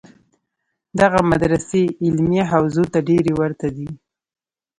دغه مدرسې علمیه حوزو ته ډېرې ورته دي.